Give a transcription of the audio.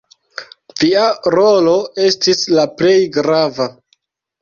Via rolo estis la plej grava.